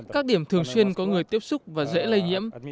các điểm thường xuyên có người tiếp xúc và dễ lây nhiễm